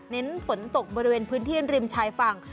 ฝนตกบริเวณพื้นที่ริมชายฝั่ง